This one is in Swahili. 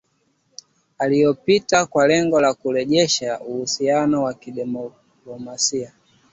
uliopita kwa lengo la kurejesha uhusiano wa kidiplomasia